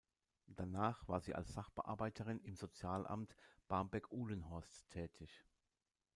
Danach war sie als Sachbearbeiterin im Sozialamt Barmbek-Uhlenhorst tätig.